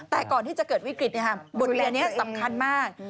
แต่ก่อนที่จะเกิดวิกฤตบทเรียนนี้สำคัญมาก